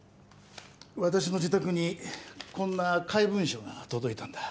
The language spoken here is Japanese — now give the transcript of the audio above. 私の自宅にこんな怪文書が届いたんだ。